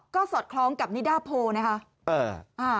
ก็สอดคล้องกับนิดาโพลนะคะ